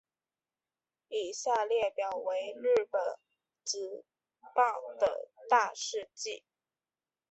以下列表为日本职棒的大事纪。